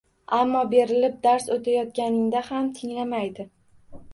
Ammo berilib dars oʻtayotganingda ham tinglamaydi.